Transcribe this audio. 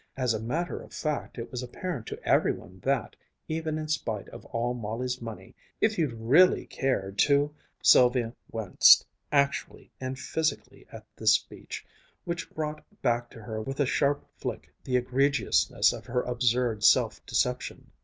As a matter of fact it was apparent to every one that, even in spite of all Molly's money, if you'd really cared to ..." Sylvia winced, actually and physically, at this speech, which brought back to her with a sharp flick the egregiousness of her absurd self deception.